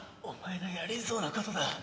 お前がやりそうなことだ。